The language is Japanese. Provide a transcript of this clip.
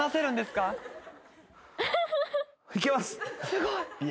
すごい。